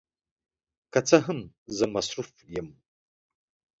که څه هم، زه مصروف یم.